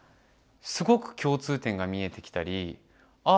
すごく共通点が見えてきたりあ